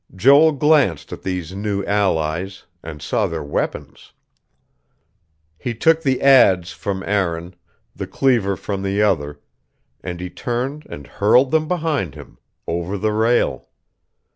Joel glanced at these new allies, and saw their weapons. He took the adze from Aaron, the cleaver from the other; and he turned and hurled them behind him, over the rail.